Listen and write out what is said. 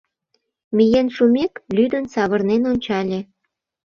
Миен шумек, лӱдын савырнен ончале.